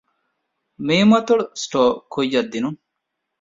މ. އަތޮޅު ސްޓޯރ ކުއްޔަށް ދިނުން